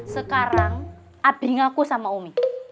sekarang abdi ngaku sama umi